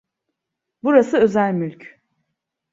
Burası özel mülk.